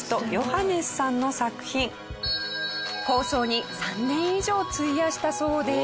構想に３年以上費やしたそうです。